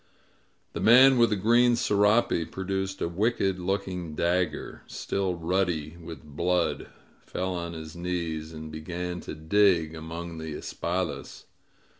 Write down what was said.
The man with the green serape produced a wicked looking dagger, still ruddy with blood, fell on his knees, and began to dig among the espadas.